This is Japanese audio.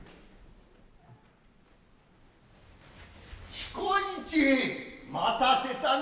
彦市待たせたな。